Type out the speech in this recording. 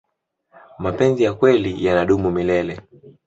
mapenzi ya kweli yanadumu milele